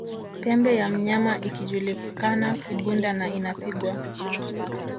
Pembe ya mnyama ikijuliakana igunda na inapigwa